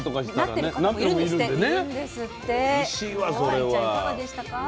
亜香里ちゃんいかがでしたか？